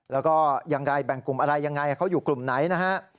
แล้วก็อย่างไรแบ่งกลุ่มอะไรยังไงเขาอยู่กลุ่มไหนนะฮะ